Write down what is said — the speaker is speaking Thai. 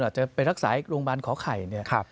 จะไปรักษาโรงพยาบาลขอไข่เนี่ย